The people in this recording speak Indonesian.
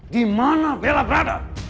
dimana bella berada